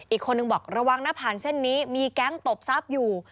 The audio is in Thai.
อีกคนนึงบอกระวังนะผ่านเส้นนี้มีแก๊งตบทรัพย์อยู่